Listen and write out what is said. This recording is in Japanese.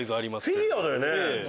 フィギュアだよね。